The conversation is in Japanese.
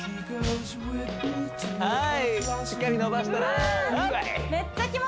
はいしっかり伸ばしたらアップ！